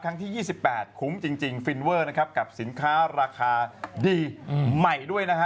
ที่๒๘คุ้มจริงฟินเวอร์นะครับกับสินค้าราคาดีใหม่ด้วยนะฮะ